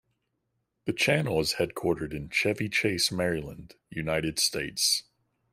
The channel is headquartered in Chevy Chase, Maryland, United States.